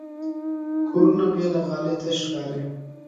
کورونه بې له غالۍ تش ښکاري.